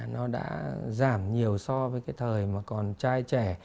nó đã giảm nhiều so với cái thời mà còn trai trẻ